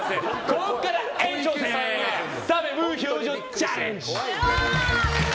ここから延長戦澤部無表情チャレンジ！